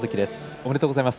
おめでとうございます。